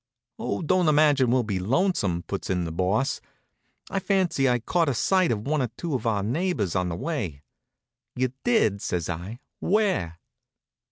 "Oh, I don't imagine we'll be lonesome," puts in the Boss. "I fancy I caught sight of one or two of our neighbors on the way." "You did?" says I. "Where?"